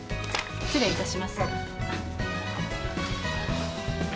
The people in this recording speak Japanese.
失礼いたします。